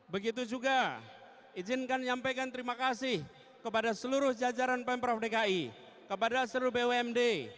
begitu juga izinkan nyampaikan terima kasih kepada seluruh jajaran pemprov dki kepada seluruh bumd